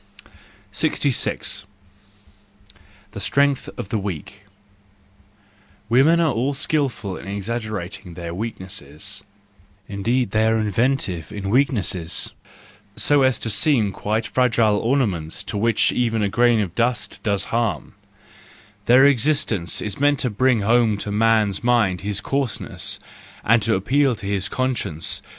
66 . The Strength of the Weak .—Women are all skil¬ ful in exaggerating their weaknesses, indeed they are inventive in weaknesses, so as to seem quite fragile ornaments to which even a grain of dust does harm; their existence is meant to bring home to man's mind his coarseness, and to appeal to his conscience.